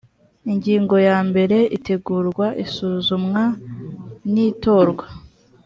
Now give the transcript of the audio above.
ingingo ya mbere itegurwa isuzumwa n itorwa